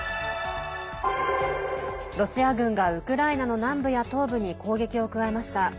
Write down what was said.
ロシア軍がウクライナの南部や東部に攻撃を加えました。